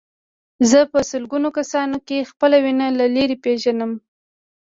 زه په سلګونه کسانو کې خپله وینه له لرې پېژنم.